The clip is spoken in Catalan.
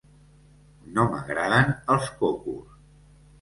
No m'agraden els cocos.